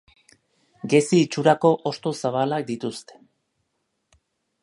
Gezi itxurako hosto zabalak dituzte.